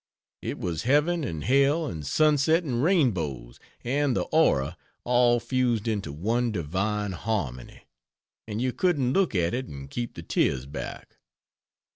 It was heaven and hell and sunset and rainbows and the aurora all fused into one divine harmony, and you couldn't look at it and keep the tears back.